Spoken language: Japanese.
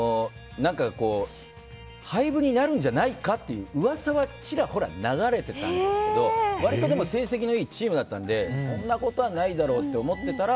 廃部になるんじゃないかっていう噂はちらほら流れてたんですけど割と成績のいいチームだったのでそんなことはないだろうと思ってたら